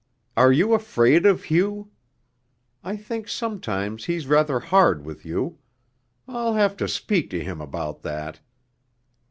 Are you afraid of Hugh? I think sometimes he's rather hard with you I'll have to speak to him about that.